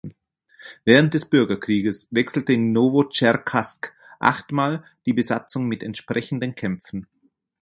Während des Bürgerkriegs wechselte in Nowotscherkassk achtmal die Besatzung mit entsprechenden Kämpfen.